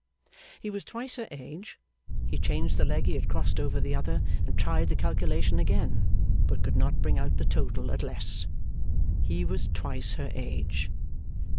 He was twice her age. (He changed the leg he had crossed over the other, and tried the calculation again, but could not bring out the total at less.) He was twice her age.